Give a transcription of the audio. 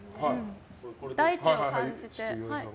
大地を感じて。